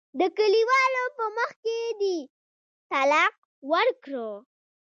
د کلیوالو په مخ کې دې طلاق ورکړه.